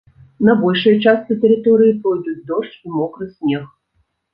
На большай частцы тэрыторыі пройдуць дождж і мокры снег.